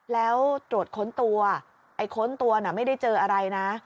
แล้วตรวจค้นตัวไอ้ค้นตัวน่ะไม่ได้เจออะไรนะ